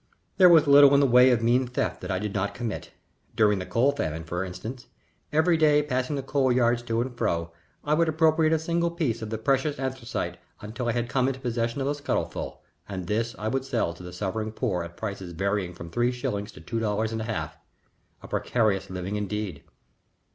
There was little in the way of mean theft that I did not commit. During the coal famine, for instance, every day passing the coal yards to and fro, I would appropriate a single piece of the precious anthracite until I had come into possession of a scuttleful, and this I would sell to the suffering poor at prices varying from three shillings to two dollars and a half a precarious living indeed.